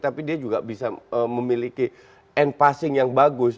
tapi dia juga bisa memiliki end passing yang bagus